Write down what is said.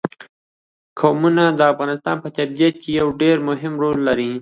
قومونه د افغانستان په طبیعت کې یو ډېر مهم رول لري.